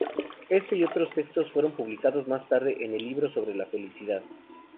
Éste y otros textos fueron publicados más tarde en el libro "Sobre la Felicidad".